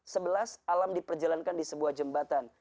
sebelas alam diperjalankan di sebuah jembatan